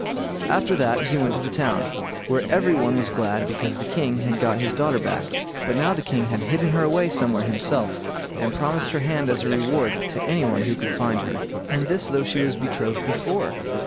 After that he went to the town, where every one was glad because the king had got his daughter back; but now the king had hidden her away somewhere himself, and promised her hand as a reward to any one who could find her, and this though she was betrothed before.